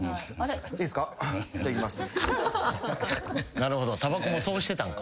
なるほどたばこもそうしてたんか。